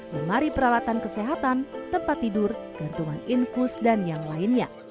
lemari peralatan kesehatan tempat tidur gantungan infus dan yang lainnya